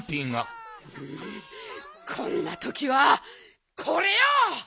こんなときはこれよ！